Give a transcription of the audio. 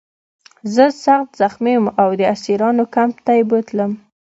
زه سخت زخمي وم او د اسیرانو کمپ ته یې بوتلم